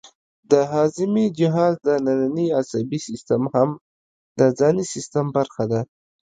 د هاضمې جهاز دنننی عصبي سیستم هم د ځانی سیستم برخه ده